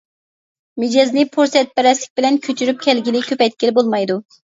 مىجەزنى پۇرسەتپەرەسلىك بىلەن كۆچۈرۈپ كەلگىلى، كۆپەيتكىلى بولمايدۇ.